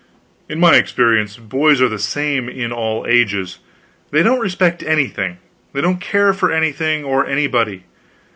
In my experience boys are the same in all ages. They don't respect anything, they don't care for anything or anybody.